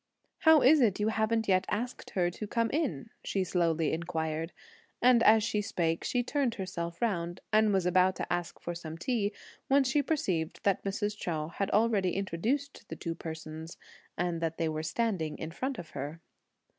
"How is it you haven't yet asked her to come in?" she slowly inquired; and as she spake, she turned herself round and was about to ask for some tea, when she perceived that Mrs. Chou had already introduced the two persons and that they were standing in front of her.